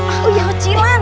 eh yang cilan